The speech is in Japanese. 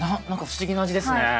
なんか不思議な味ですね。